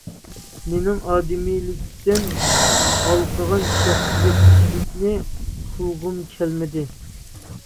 مېنىڭ ئادىمىيلىكتىن ھالقىغان شەخسىيەتچىلىكنى قىلغۇم كەلمىدى.